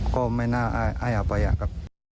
ก็ไม่น่าอ้ายอภัยอะครับ